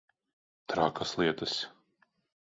Trakas lietas.